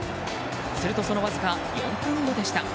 すると、そのわずか４分後でした。